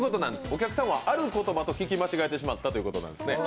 お客さんはある言葉と聞き間違えてしまったんですね。